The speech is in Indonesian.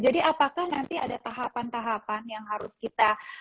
jadi apakah nanti ada tahapan tahapan yang harus kita